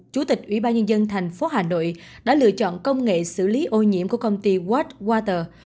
chủ tịch ủy ban nhân dân thành phố hà nội đã lựa chọn công nghệ xử lý ô nhiễm của công ty watch water